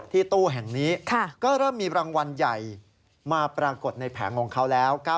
ตู้แห่งนี้ก็เริ่มมีรางวัลใหญ่มาปรากฏในแผงของเขาแล้ว